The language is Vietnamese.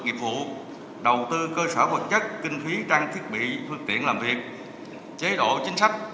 nghiệp vụ đầu tư cơ sở vật chất kinh phí trang thiết bị phương tiện làm việc chế độ chính sách